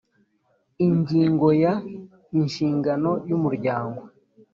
ingingo ya inshingano y umuryango